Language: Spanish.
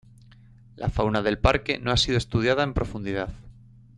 La fauna del parque no ha sido estudiada en profundidad.